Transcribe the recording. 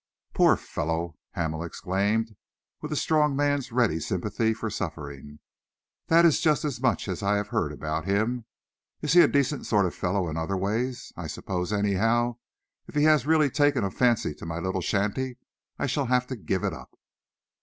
"Poor fellow!" Hamel exclaimed, with a strong man's ready sympathy for suffering. "That is just as much as I have heard about him. Is he a decent sort of fellow in other ways? I suppose, anyhow, if he has really taken a fancy to my little shanty, I shall have to give it up."